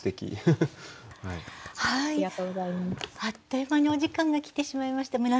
あっという間にお時間が来てしまいました。